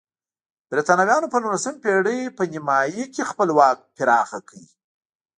برېټانویانو په نولسمې پېړۍ په نیمایي کې خپل واک پراخ کړ.